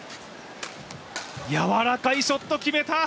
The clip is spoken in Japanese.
やわらかいショット決めた！